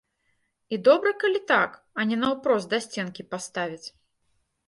І добра калі так, а не наўпрост да сценкі паставяць.